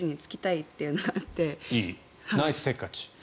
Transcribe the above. いい。ナイスせっかち。